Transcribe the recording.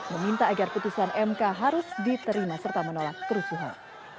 meminta agar putusan mk harus diterima serta menolak kerusuhan